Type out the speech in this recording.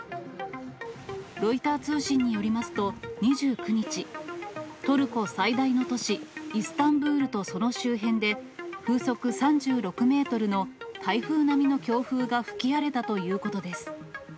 ロイター通信によりますと、２９日、トルコ最大の都市イスタンブールとその周辺で、風速３６メートルの台風並みの強風が吹き荒れたということです。